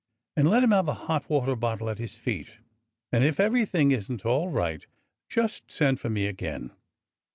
And let him have a hot water bottle at his feet. And if everything isn't all right, just send for me again."